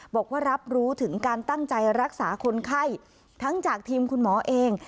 บอกว่ารับรู้ถึงการตั้งใจรักษาคนไข้ทั้งจากทีมคุณหมอเอง